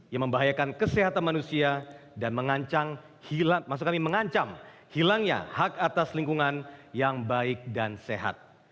yang membahayakan kesehatan manusia dan mengancam hilangnya hak atas lingkungan yang baik dan sehat